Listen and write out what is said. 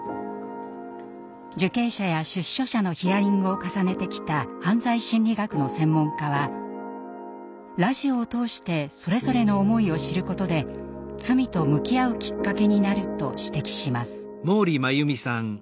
受刑者や出所者のヒアリングを重ねてきた犯罪心理学の専門家はラジオを通してそれぞれの思いを知ることで罪と向き合うきっかけになると指摘します。